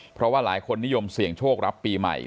เพราะว่าหลายคนนิยมเสี่ยงโชครับปีใหม่